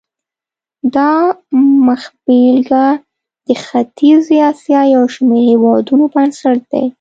دا مخبېلګه د ختیځې اسیا یو شمېر هېوادونو بنسټ دی.